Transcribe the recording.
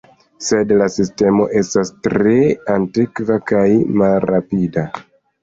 Sed la sistemo estas tre antikva kaj malrapida.